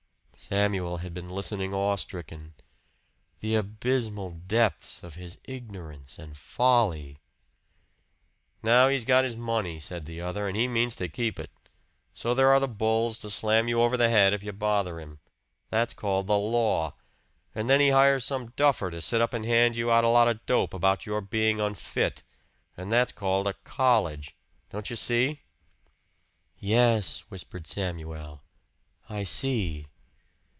Samuel had been listening awe stricken. The abysmal depths of his ignorance and folly! "Now he's got his money," said the other "and he means to keep it. So there are the bulls, to slam you over the head if you bother him. That's called the Law! And then he hires some duffer to sit up and hand you out a lot of dope about your being 'unfit'; and that's called a College! Don't you see?" "Yes," whispered Samuel. "I see!"